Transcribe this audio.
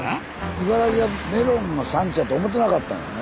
茨城はメロンの産地やと思ってなかったんよね。